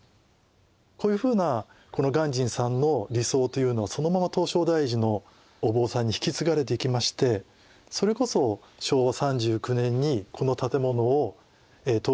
こういうふうな鑑真さんの理想というのはそのまま唐招提寺のお坊さんに引き継がれていきましてそれこそ昭和３９年にこの建物を唐招提寺に移築する。